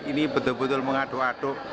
ini betul betul mengaduk aduk